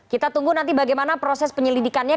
kita tunggu nanti bagaimana proses penyelidikannya